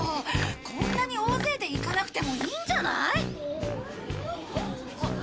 こんなに大勢で行かなくてもいいんじゃない？